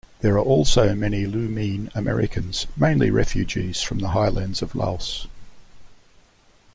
There are also many Iu Mien Americans, mainly refugees from the highlands of Laos.